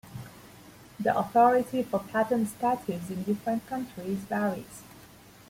The authority for patent statutes in different countries varies.